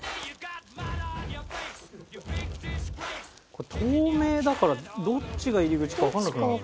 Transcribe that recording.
これ透明だからどっちが入り口かわかんなくなるな。